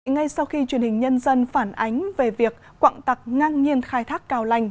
ngay sau khi truyền hình nhân dân phản ánh về việc quặng tặc ngang nhiên khai thác cao lanh